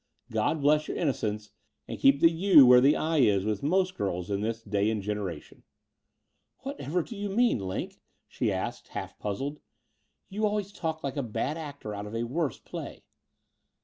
God bless your innocence and keep the *u' where the 'i' is with most girls in this day and generation." Whatever do you mean. Line ?'' she asked, half puzzled. You always talk like a bad actor out of a worse play."